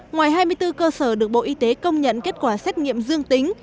ngoài hai mươi bốn cơ sở được bộ y tế công nhận kết quả xét nghiệm dương tính